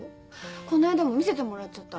この間も見せてもらっちゃった。